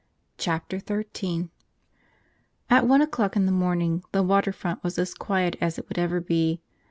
Chapter Thirteen AT ONE O'CLOCK in the morning the water front was as quiet as it would ever be.